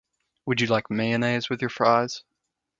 Would you like mayonnaise with your fries?